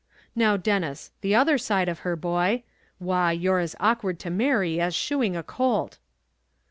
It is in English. "Now, Denis, the other side of her, boy; why, you're as awkward to marry as shoeing a colt."